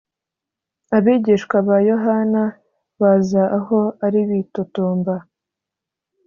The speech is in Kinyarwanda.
Abigishwa ba Yohana baza aho ari bitotomba